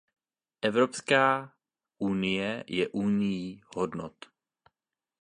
Evropská unie je unií hodnot.